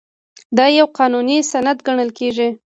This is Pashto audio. دا یو قانوني سند ګڼل کیږي.